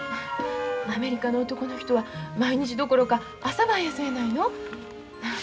アメリカの男の人は毎日どころか朝晩やそうやないの。